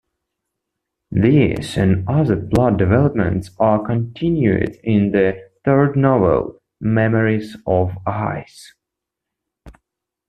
These and other plot developments are continued in the third novel, "Memories of Ice".